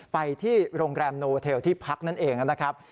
ไปที่โรงแรมโนเทลที่พักนั่นเองนะครับ